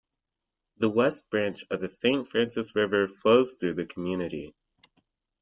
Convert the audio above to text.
The West Branch of the St. Francis River flows through the community.